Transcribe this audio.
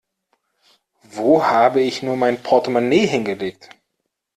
Wo habe ich nur mein Portemonnaie hingelegt?